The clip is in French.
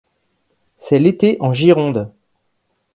C'est l'été en Gironde.